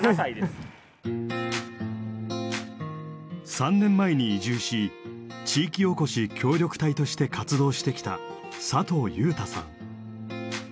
３年前に移住し地域おこし協力隊として活動してきた佐藤祐太さん。